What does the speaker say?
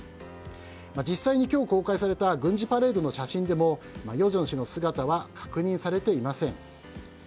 実際に今日公開された軍事パレードの写真でも与正氏の姿は確認されていません。